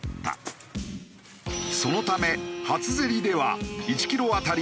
そのため初競りでは１キロ当たり